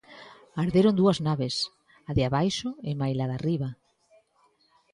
Arderon dúas naves, a de abaixo e maila de arriba;